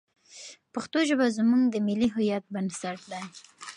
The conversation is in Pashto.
پښتو ژبه زموږ د ملي هویت بنسټ دی.